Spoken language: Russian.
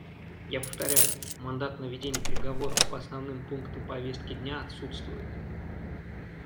Я повторяю: мандат на ведение переговоров по основным пунктам повестки дня отсутствует.